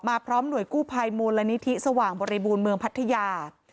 พร้อมหน่วยกู้ภัยมูลนิธิสว่างบริบูรณ์เมืองพัทยา